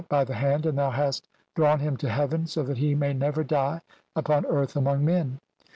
by the hand and thou hast "drawn him to heaven so that he may never die upon "earth among men.